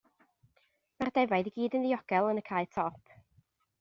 Mae'r defaid i gyd yn ddiogel yn y cae top.